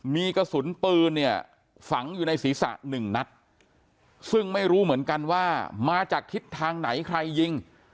มีกระสุนปืนเนี่ยฝังอยู่ในศีรษะหนึ่งนัดซึ่งไม่รู้เหมือนกันว่ามาจากทิศทางไหนใครยิง